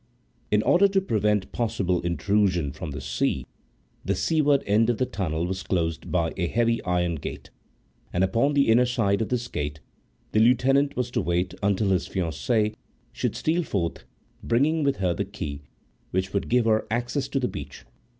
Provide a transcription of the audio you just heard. In order to prevent possible intrusion from the sea, the seaward end of the tunnel was closed by a heavy iron gate, and upon the inner side of this gate the Lieutenant was to wait until his fiancée should steal forth bringing with her the key which should give access to the beach.